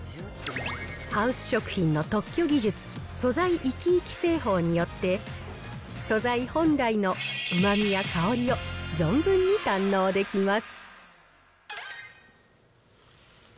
ハウス食品の特許技術、素材いきいき製法によって、素材本来のうまみや香りを存分に堪能できます。